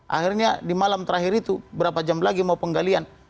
akhirnya di malam terakhir itu berapa jam lagi mau penggalian